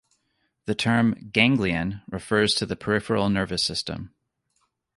The term "ganglion" refers to the peripheral nervous system.